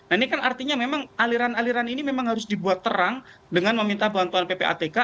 ini artinya aliran aliran ini memang harus dibuat terang dengan meminta bantuan ppatk